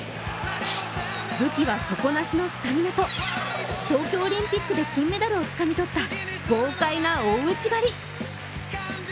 武器は底無しのスタミナと東京オリンピックで金メダルをつかみ取った豪快な大内刈り。